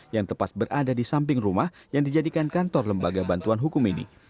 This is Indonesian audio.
yang tepat berada di samping rumah yang dijadikan kantor lembaga bantuan hukum ini